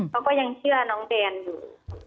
เขาก็ยังเชื่อน้องแดนอยู่